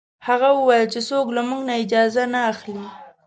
هغه وویل چې څوک له موږ نه اجازه نه اخلي.